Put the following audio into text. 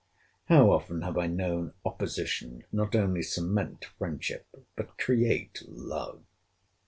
How often have I known opposition not only cement friendship, but create love?